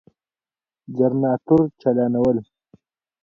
جنراتور چالانول ،